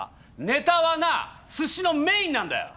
ネタはな寿司のメインなんだよ。